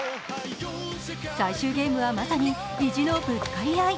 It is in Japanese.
最終ゲームはまさに意地のぶつかり合い。